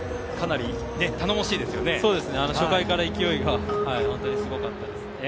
初回から勢いが本当にすごかったです。